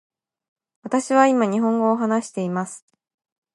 私は今日本語を話しています。